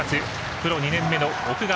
プロ２年目の奥川。